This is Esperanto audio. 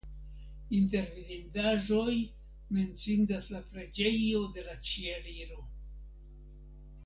Inter vidindaĵoj menciindas la preĝejo de la Ĉieliro.